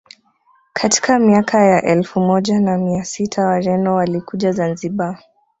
Katika miaka ya elfu moja na mia sita Wareno walikuja Zanzibar